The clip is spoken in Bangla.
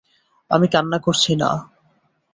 আমি কান্না করছি না।